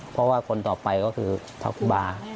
เพราะว่าคนต่อไปก็คือทักครูบา